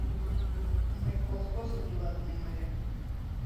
Мый колхозым йӱлатынем ыле...